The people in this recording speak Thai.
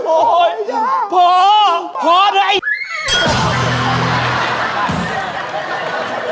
โอ้โฮเผาแล้ว